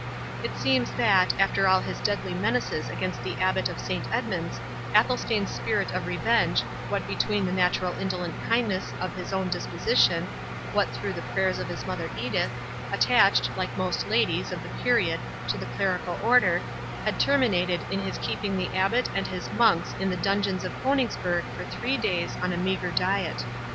It seems that, after all his deadly menaces against the Abbot of Saint Edmund's, Athelstane's spirit of revenge, what between the natural indolent kindness of his own disposition, what through the prayers of his mother Edith, attached, like most ladies, (of the period,) to the clerical order, had terminated in his keeping the Abbot and his monks in the dungeons of Coningsburgh for three days on a meagre diet.